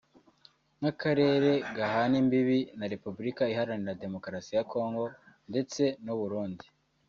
nk’akarere gahana imbibi na Repubulika Iharanira Demokarasi ya Congo ndetse n’u Burundi